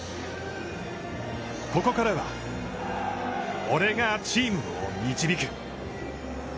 ここからは、俺がチームを導く！